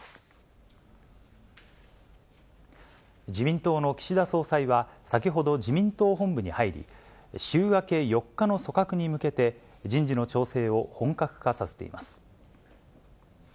自民党の岸田総裁は、先ほど、自民党本部に入り、週明け４日の組閣に向けて、人事の調整を本格化させています。